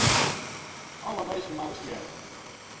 Alle minsken moatte stjerre.